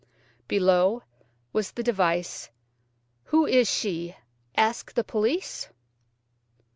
Below was the device, "Who is she? Ask the police?"